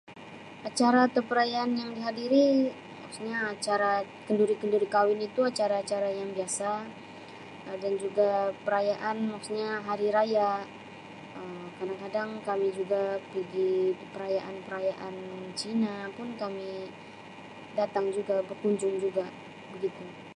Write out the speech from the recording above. Acara atau perayaan yang dihadiri maksudnya acara kenduri-kenduri kawin itu acara-acara yang biasa dan juga Um perayaan maksudnya hari raya Um kadang-kadang kami juga pigi perayaan-perayaan cina pun kami datang juga berkunjung juga Um begitu